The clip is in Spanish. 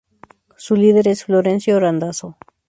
Su líder es Florencio Randazzo.